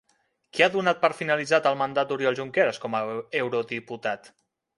Qui ha donat per finalitzat el mandat d'Oriol Junqueras com a eurodiputat?